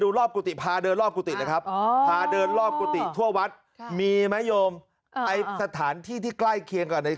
ดูรอบกุติภาเดินทั้งวัดมีไหมโยมศถานที่ใกล้เคียง